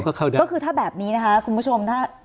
ก็คือถ้าแบบนี้นะคะคุณผู้ชมถ้า